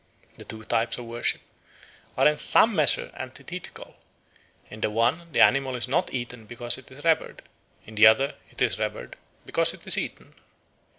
The two types of worship are in some measure antithetical: in the one, the animal is not eaten because it is revered; in the other, it is revered because it is eaten.